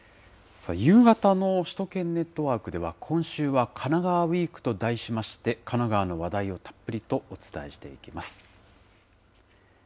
夕方の首都圏ネットワークでは、今週は神奈川ウイークと題しまして、神奈川の話題をたっぷりとお伝えしていきます。